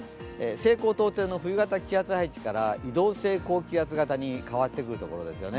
西高東低の冬型気圧配置から移動性高気圧型に変わってくるところですよね。